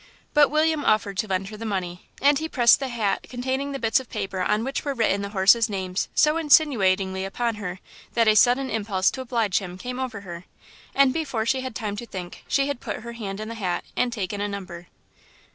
But William offered to lend her the money, and he pressed the hat containing the bits of paper on which were written the horses' names so insinuatingly upon her that a sudden impulse to oblige him came over her, and before she had time to think she had put her hand in the hat and taken a number.